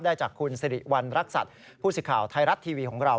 จากคุณสิริวัณรักษัตริย์ผู้สิทธิ์ข่าวไทยรัฐทีวีของเรา